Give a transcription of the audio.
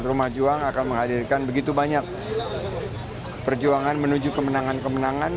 rumah juang akan menghadirkan begitu banyak perjuangan menuju kemenangan kemenangan